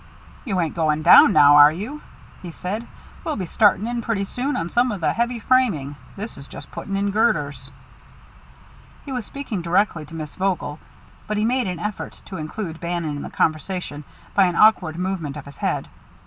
"You ain't going down now, are you?" he said. "We'll be starting in pretty soon on some of the heavy framing. This is just putting in girders." He was speaking directly to Miss Vogel, but he made an effort to include Bannon in the conversation by an awkward movement of his head.